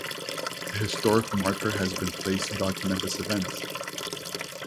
A historic marker has been placed to document this event.